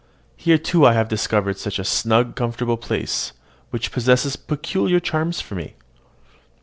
Here, too, I have discovered such a snug, comfortable place, which possesses peculiar charms for me.